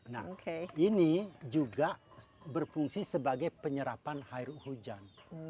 nah ini juga berfungsi sebagai penyerapan air hujan